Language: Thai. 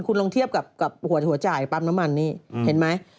คุณลองเทียบกับหัวจ่ายปั๊มน้ำมันนี่เห็นไหม